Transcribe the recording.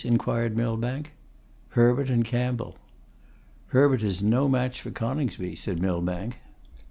inquired Millbank. 'Herbert and Campbell.' 'Herbert is no match for Coningsby,' said Millbank.